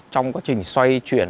trong quá trình xoay truyền